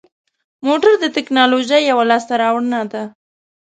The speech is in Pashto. موټر د تکنالوژۍ یوه لاسته راوړنه ده.